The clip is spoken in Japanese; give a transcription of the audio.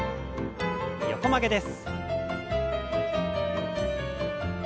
横曲げです。